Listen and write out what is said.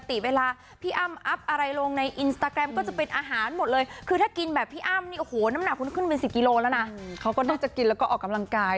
แต่มันได้แค่นี้จริงไม่รู้พี่ย่ามันก็มีวิธีการอย่างไร